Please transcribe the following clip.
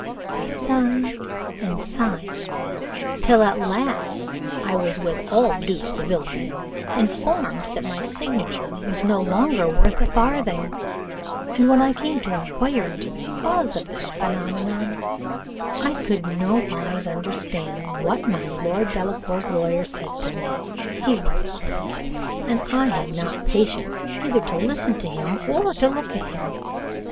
I signed, and signed, till at last I was with all due civility informed that my signature was no longer worth a farthing; and when I came to inquire into the cause of this phenomenon, I could nowise understand what my Lord Delacour's lawyer said to me: he was a prig, and I had not patience either to listen to him or to look at him.